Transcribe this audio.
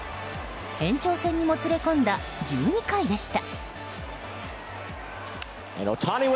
延長戦にもつれ込んだ１２回でした。